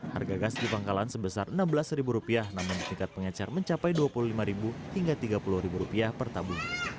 harga gas di pangkalan sebesar rp enam belas namun di tingkat pengecar mencapai rp dua puluh lima hingga rp tiga puluh per tabung